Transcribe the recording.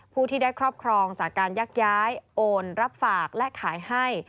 ผู้ที่ได้ครอบครองจากการยักย้ายโอนรับฝากและขายให้